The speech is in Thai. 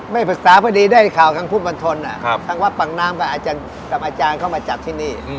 ไม่ฝึกษาพอดีได้ข่าวทางผู้บันทนทั้งว่าปังน้ำกับอาจารย์เข้ามาจัดที่นี่